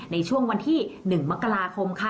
ในช่วงวันที่๑มกราคมค่ะ